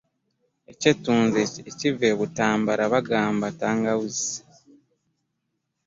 Eky'ettunzi ekiva e Butambala bagamba ntangawuzi.